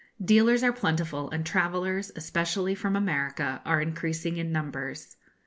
Dealers are plentiful, and travellers, especially from America, are increasing in numbers.